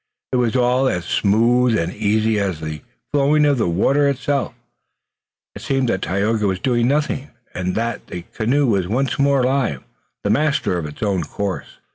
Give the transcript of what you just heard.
It was all as smooth and easy as the flowing of the water itself. It seemed that Tayoga was doing nothing, and that the canoe once more was alive, the master of its own course.